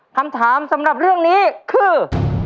คำถามสำหรับเรื่องนี้คือ